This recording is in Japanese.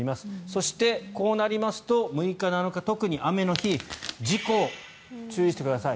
そして、こうなりますと６日、７日特に雨の日事故に注意してください。